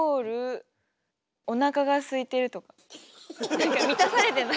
何か満たされてない。